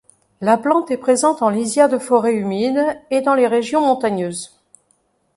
La plante est présente en lisière de forêt humide et dans les régions montagneuses.